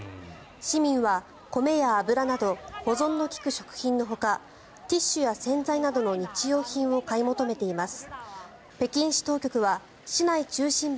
市民は米や油など保存の利く食品のほかティッシュや洗剤などの日用品を買い求めています。